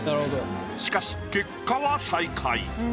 しかし結果は最下位。